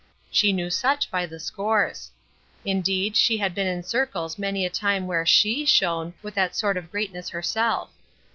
She knew such by the scores. Indeed, she had been in circles many a time where she shone with that sort of greatness herself.